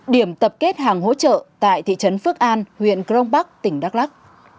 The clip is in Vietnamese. điểm tập kết hàng hỗ trợ tại thị trấn phước an huyện crong bắc tỉnh đắk lắc